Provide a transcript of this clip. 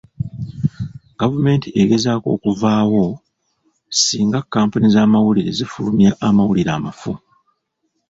Gavumenti egezaako okuvaawo singa kampuni z'amawulire zifulumya amawulire amafu.